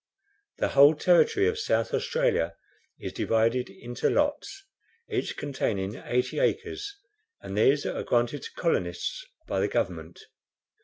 The whole territory of South Australia is divided into lots, each containing eighty acres, and these are granted to colonists by the government.